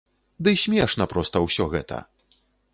Ды смешна проста ўсё гэта!